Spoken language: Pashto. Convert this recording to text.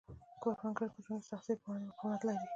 کروندګر د ژوند د سختیو پر وړاندې مقاومت لري